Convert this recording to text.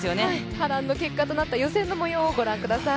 波乱の結果となった予選の結果をご覧ください。